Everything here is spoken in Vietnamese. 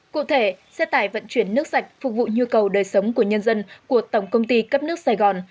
cụ thể xe tải vận chuyển nước sạch phục vụ nhu cầu đời sống của nhân dân của tổng công ty cấp nước sài gòn